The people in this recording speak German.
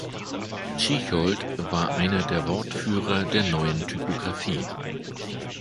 Tschichold war einer der Wortführer der Neuen Typographie.